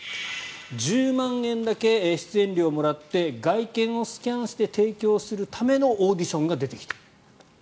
１０万円だけ出演料をもらって外見をスキャンして提供するためのオーディションが出てきている。